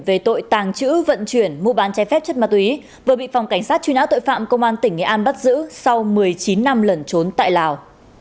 về tội tàng trữ vận chuyển mua bán chai phép chất ma túy vừa bị phòng cảnh sát truy nã tội phạm công an tỉnh nghệ an bắt giữ sau một mươi chín năm lẩn trốn tại lào